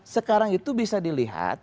sekarang itu bisa dilihat